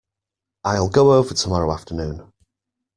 I'll go over tomorrow afternoon.